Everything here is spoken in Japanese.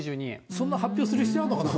そんな発表する必要あるのかな。